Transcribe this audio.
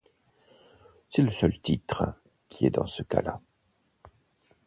C'est le seul titre qui est dans ce cas là.